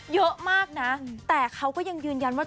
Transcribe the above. เยอะมากนะแต่เขาก็ยังยืนยันว่า